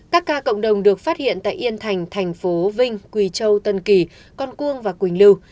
các ca cộng đồng được phát hiện tại yên thành thành phố vinh quỳ châu tân kỳ con cuông và quỳnh lưu